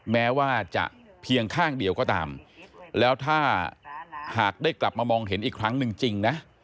แม้ว่าจะเพียงข้างเดียวก็ตามแล้วถ้าหากได้กลับมามองเห็นอีกครั้งหนึ่งจริงนะ